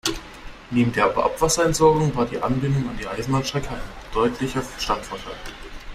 Neben der Abwasserentsorgung war die Anbindung an die Eisenbahnstrecke ein deutlicher Standortvorteil.